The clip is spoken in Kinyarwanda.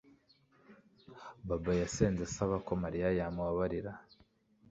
Bobo yasenze asaba ko Mariya yamubabarira